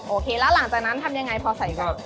โอเคแล้วหลังจากนั้นทำยังไงพอใส่แบบ